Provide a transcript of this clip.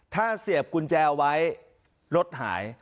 ถ้าเสียบกุญแจเอาไว้รถหาย